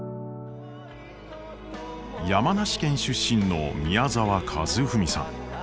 山梨県出身の宮沢和史さん。